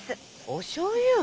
おしょうゆ？